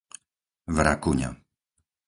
Vrakuňa